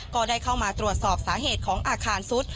ก็ได้เข้ามาตรวจสอบสาเหตุของอาคารซุด